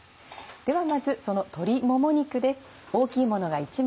ではまずその鶏もも肉です。